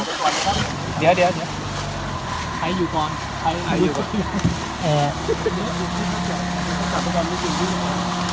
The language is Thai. ใครอยู่ก่อนใครอยู่